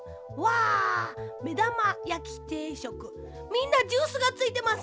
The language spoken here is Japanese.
みんなジュースがついてます。